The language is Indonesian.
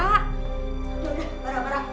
aduh udah bara bara